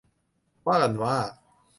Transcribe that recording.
ว่ากันว่า